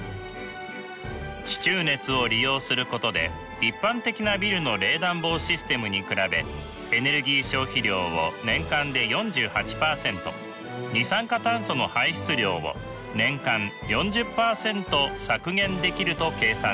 地中熱を利用することで一般的なビルの冷暖房システムに比べエネルギー消費量を年間で４８％二酸化炭素の排出量を年間４０％削減できると計算しています。